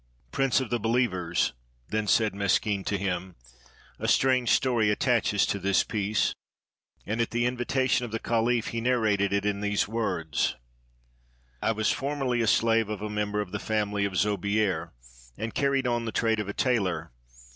"'Prince of the Believers,' then said Meskin to him, 'a strange story attaches to this piece'; and at the invi tation of the caliph he narrated it in these words: 'I was 513 ARABIA formerly a slave of a member of the family of Zobeir, and carried on the trade of a tailor.